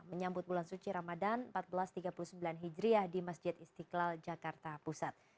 menyambut bulan suci ramadan seribu empat ratus tiga puluh sembilan hijriah di masjid istiqlal jakarta pusat